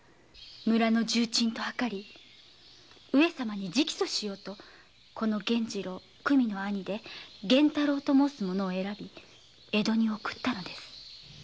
村の重鎮と謀り上様に直訴しようとこの久美の兄源太郎と申す者を選び江戸に送ったのです。